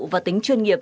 và tính chuyên nghiệp